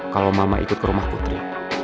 kalau mama ikut ke rumah putri